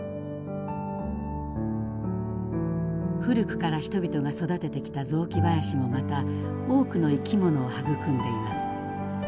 古くから人々が育ててきた雑木林もまた多くの生き物をはぐくんでいます。